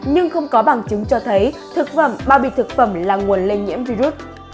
nhưng không có bằng chứng cho thấy thực phẩm bao bì thực phẩm là nguồn lây nhiễm virus